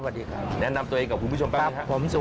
สวัสดิ์ครับแนะนำตัวเองกับคุณผู้ชมแป๊บนะครับสวัสดิ์ครับสวัสดิ์ครับ